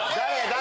誰？